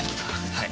はい。